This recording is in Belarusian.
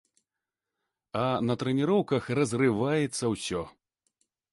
А на трэніроўках разрываецца ўсё.